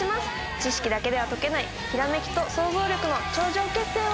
知識だけでは解けないひらめきとソウゾウ力の頂上決戦を。